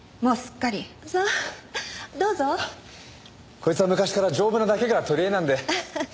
こいつは昔から丈夫なだけが取りえなんで。